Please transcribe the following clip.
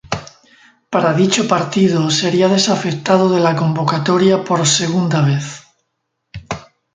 Para dicho partido, sería desafectado de la convocatoria por segunda vez.